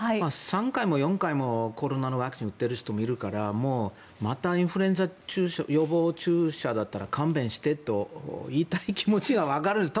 ３回も４回もコロナのワクチン打っている人もいるからまたインフルエンザ予防注射だったら勘弁してと言いたい気持ちはわかるんです。